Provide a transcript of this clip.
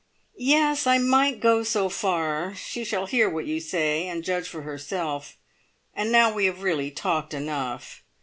"Yes I might go so far. She shall hear what you say, and judge for herself. And now we have really talked enough.